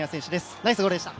ナイスゴールでした。